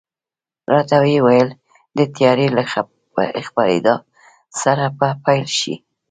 راته وې ویل، د تیارې له خپرېدا سره به پیل شي.